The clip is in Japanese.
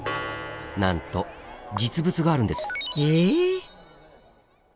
なんと実物があるんです。え！